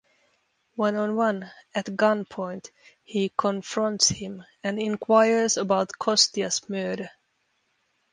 One-on-one, at gunpoint he confronts him, and inquires about Kostya's murder.